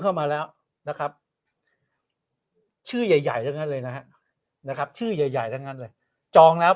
เข้ามาแล้วนะครับชื่อใหญ่เลยนะครับนะครับชื่อใหญ่ทั้งนั้นเลยจองแล้ว